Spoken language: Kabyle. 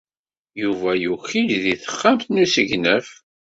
Yuba yuki-d deg texxamt n usegnaf.